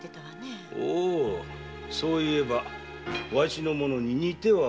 ああそういえばわしのものに似てはおるな。